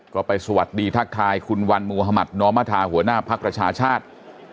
ก็ไปสวัสดีทักทายคุณวันมุธมัธนอมธาหัวหน้าภักดิ์ประชาชาติ